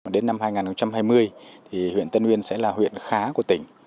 đến năm hai nghìn hai mươi thì huyện tân uyên sẽ là huyện khá của tỉnh